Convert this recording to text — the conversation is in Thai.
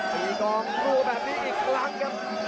สีทองรูแบบนี้อีกครั้งครับ